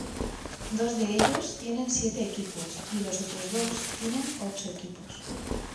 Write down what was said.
Dos de ellos tienen siete equipos y los otros dos tienen ocho equipos.